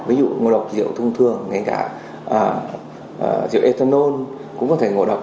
ví dụ ngộ độc rượu thông thường ngay cả rượu ethanol cũng có thể ngộ độc